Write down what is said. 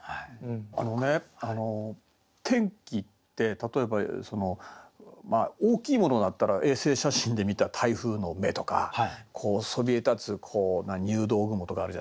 あのね天気って例えば大きいものだったら衛星写真で見た台風の目とかそびえ立つ入道雲とかあるじゃない。